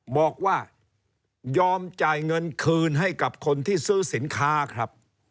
บอกว่ายอมจ่ายเงินคืนให้กับคนที่ซื้อสินค้าครับ